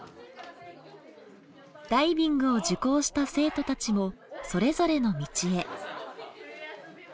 ダイビングを受講した生徒たちもそれぞれの道へ。